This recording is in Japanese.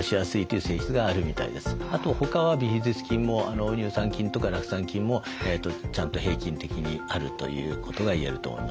あと他はビフィズス菌も乳酸菌とか酪酸菌もちゃんと平均的にあるということが言えると思います。